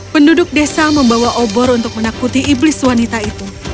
penduduk desa membawa obor untuk menakuti iblis wanita itu